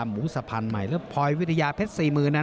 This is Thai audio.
หมูสะพันธุ์ใหม่และพลอยวิทยาเพชร๔๐๐๐๐